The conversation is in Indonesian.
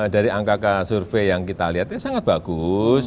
dari angka angka survei yang kita lihat sangat bagus